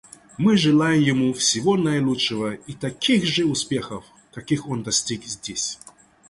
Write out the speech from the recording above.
Мы желаем ему всего наилучшего и таких же успехов, каких он достиг здесь.